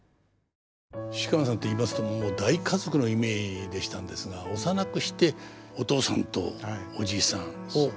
芝さんって言いますともう大家族のイメージでしたんですが幼くしてお父さんとおじいさんを相次いで亡くされたんですか。